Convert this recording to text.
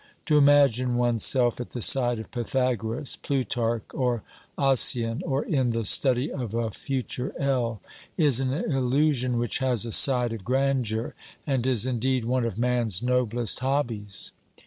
To imagine one's self at the side of Pythagoras, Plutarch, or Ossian, or in the study of a future L., is an illusion which has a side of grandeur and is indeed one of man's noblest hobbies.